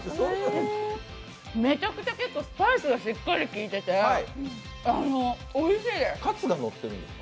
めちゃくちゃ結構スパイスがしっかりきいてておいしいです。